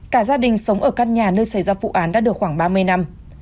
cả gia đình sống ở căn nhà nơi xảy ra vụ án đã được khoảng ba mươi năm